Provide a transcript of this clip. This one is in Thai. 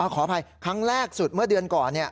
ขออภัยครั้งแรกสุดเมื่อเดือนก่อน